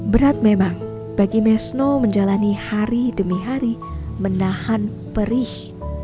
berat memang bagi mesno menjalani hari demi hari menahan perih